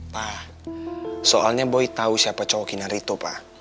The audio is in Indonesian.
pa soalnya boy tau siapa cowok kinar itu pa